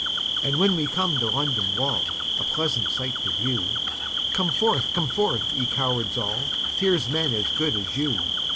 And when we come to London Wall, A pleasant sight to view, Come forth! come forth! ye cowards all: Here's men as good as you.